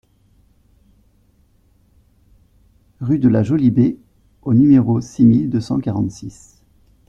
Rue de la Jolie Baie au numéro six mille deux cent quarante-six